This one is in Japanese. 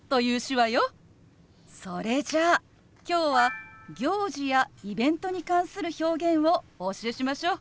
それじゃあ今日は行事やイベントに関する表現をお教えしましょう！